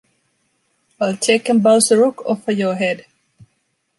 I'll take and bounce a rock offa your head.